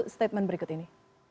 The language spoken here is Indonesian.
statement berikut ini